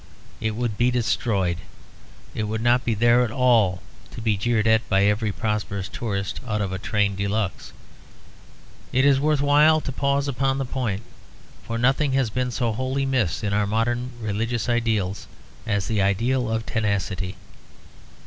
It would be destroyed. It would not be there at all, to be jeered at by every prosperous tourist out of a train de luxe. It is worth while to pause upon the point; for nothing has been so wholly missed in our modern religious ideals as the ideal of tenacity.